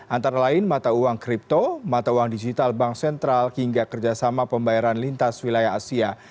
antara lain mata uang kripto mata uang digital bank sentral hingga kerjasama pembayaran lintas wilayah asia